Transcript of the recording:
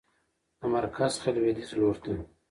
د مرکز څخه لویدیځ لورته